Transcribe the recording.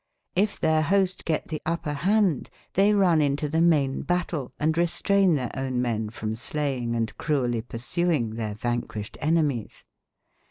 If their host gette the upper hand, they runne in to themayne battayle, & restrayne their ownemen from sleying & cruelly pursu inge theire vanquy shed enemies.